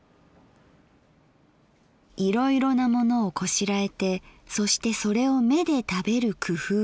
「いろいろなものをこしらえてそしてそれを目で食べる工夫をする。